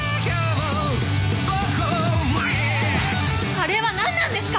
あれはなんなんですか！